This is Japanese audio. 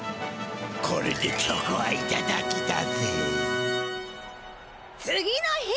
これでチョコはいただきだぜ！